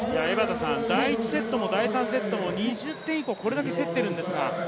第１セットも、第３セットも２０点以降、これだけ競っているんですが。